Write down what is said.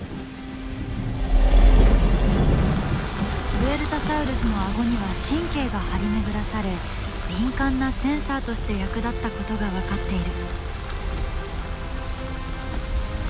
プエルタサウルスのアゴには神経が張り巡らされ敏感なセンサーとして役立ったことが分かっている。